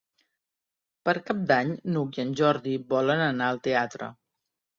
Per Cap d'Any n'Hug i en Jordi volen anar al teatre.